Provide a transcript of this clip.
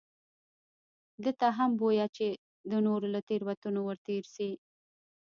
ده ته هم بویه چې د نورو له تېروتنو ورتېر شي.